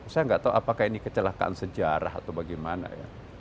saya nggak tahu apakah ini kecelakaan sejarah atau bagaimana ya